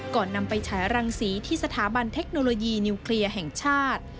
นำไปฉายรังสีที่สถาบันเทคโนโลยีนิวเคลียร์แห่งชาติ